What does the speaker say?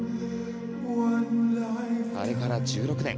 あれから１６年。